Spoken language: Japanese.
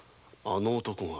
あの男が？